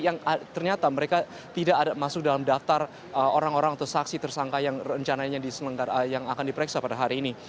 yang ternyata mereka tidak masuk dalam daftar orang orang atau saksi tersangka yang akan diperiksa pada hari ini